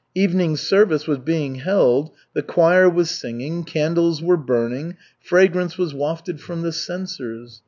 Evening service was being held, the choir was singing, candles were burning, fragrance was wafted from the censers.